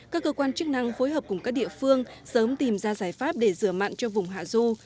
các cơ quan chức năng phối hợp cùng các địa phương sớm tìm ra giải pháp để rửa mặn cho vùng hạ du